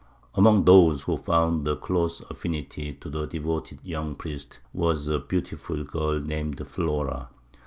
Among those who found a close affinity to the devoted young priest, was a beautiful girl named Flora.